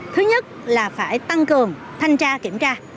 thứ nhất là phải tăng cường thanh tra kiểm tra